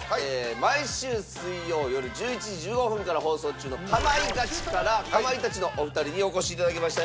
毎週水曜よる１１時１５分から放送中の『かまいガチ』からかまいたちのお二人にお越しいただきました。